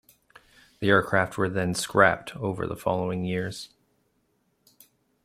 The aircraft were then scrapped over the following years.